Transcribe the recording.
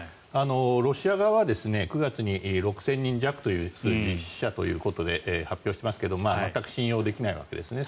ロシア側は９月に６０００人弱という数字死者ということで発表していますけど全く信用できないわけですね。